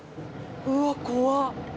うわ怖っ。